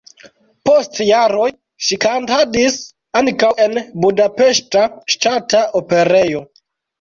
Post jaroj ŝi kantadis ankaŭ en Budapeŝta Ŝtata Operejo.